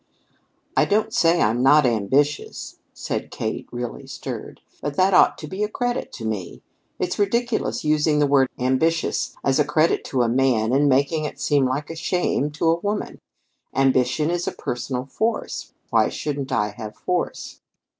"I don't say I'm not ambitious," cried Kate, really stirred. "But that ought to be a credit to me! It's ridiculous using the word 'ambitious' as a credit to a man, and making it seem like a shame to a woman. Ambition is personal force. Why shouldn't I have force?"